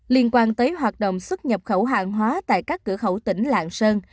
liên quan tới hoạt động xuất nhập khẩu hàng hóa tại các cửa khẩu tỉnh lạng sơn